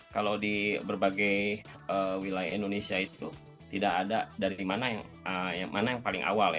kalau di berbagai wilayah indonesia itu tidak ada dari mana yang paling awal ya